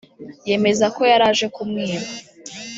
yemeza ko yari aje kumwiba